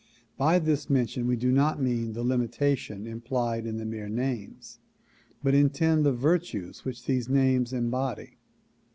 By this mention we do not mean the limitation implied in the mere names but intend the virtues which these names embody.